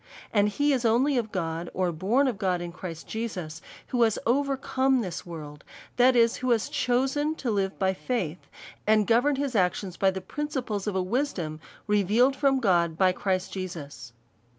And he is only of God, or born of God in Christ Jesus, who has overcome this world ; that is, who has chosen to live by faith, and govern his actions by the principles of a wisdom revealed from God by Christ Jesus.